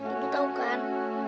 ibu tau kan